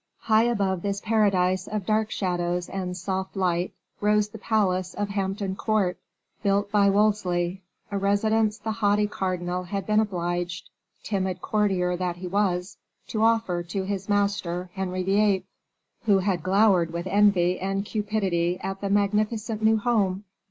High above this paradise of dark shadows and soft light, rose the palace of Hampton Court, built by Wolsey a residence the haughty cardinal had been obliged, timid courtier that he was, to offer to his master, Henry VIII., who had glowered with envy and cupidity at the magnificent new home.